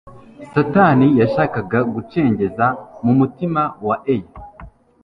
Satani yashakaga gucengeza mu mutima wa Eya,